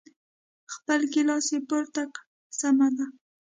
خپل ګیلاس یې پورته کړ، سمه ده.